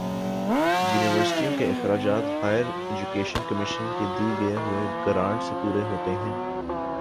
یونیورسٹیوں کے اخراجات ہائیر ایجوکیشن کمیشن کی دی گئی گرانٹ سے پورے ہوتے ہیں۔